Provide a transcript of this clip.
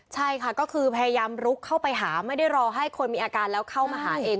ใช่ค่ะก็คือพยายามลุกเข้าไปหาไม่ได้รอให้คนมีอาการแล้วเข้ามาหาเอง